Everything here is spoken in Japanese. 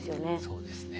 そうですね。